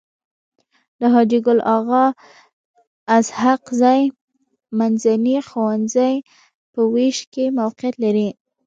د حاجي ګل اغا اسحق زي منځنی ښوونځی په ويش کي موقعيت لري.